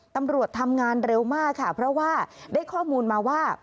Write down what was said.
ตำรวจทำงานเร็วมากค่ะเพราะว่าได้ข้อมูลมาว่า